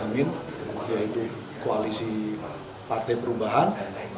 amin yaitu koalisi partai perubahan